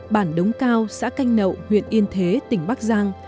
bản đống cao xã canh nậu huyện yên thế tỉnh bắc giang